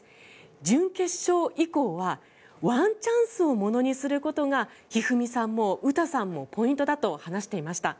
準決勝以降はワンチャンスをものにすることが一二三さんも詩さんもポイントだと話していました。